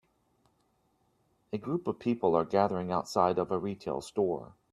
A group of people are gathering outside of a retail store.